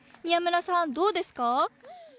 宮村さんどうですか？